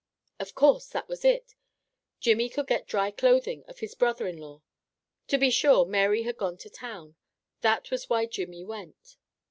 Of course, that was it! Jimmy could get dry clothing of his brother in law. To be sure, Mary had gone to town. That was why Jimmy went.